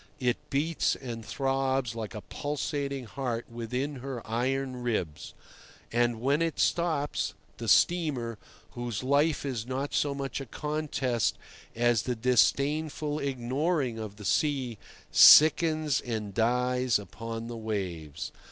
It beats and throbs like a pulsating heart within her iron ribs, and when it stops, the steamer, whose life is not so much a contest as the disdainful ignoring of the sea, sickens and dies upon the waves.